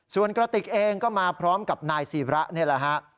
ส่วนกระติกเองก็มาพร้อมกับนายศิระนี่แหละฮะ